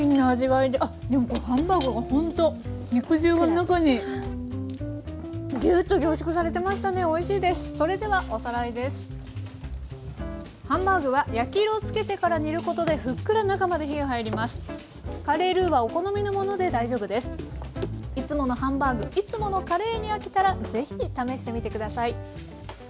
いつものハンバーグいつものカレーに飽きたらぜひ試してみてください。